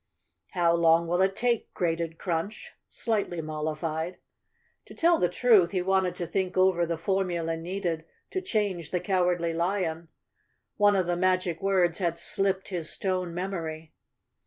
"How long will it take?" grated Crunch, slightly mollified. To tell the truth, he wanted to think over the formula needed to change the Cowardly Lion. One of the magic words had slipped his stone memory.